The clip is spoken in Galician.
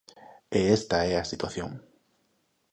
E esta é a situación.